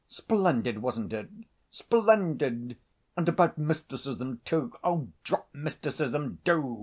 Splendid, wasn't it?" "Splendid!" "And about mysticism, too!" "Oh, drop mysticism, do!"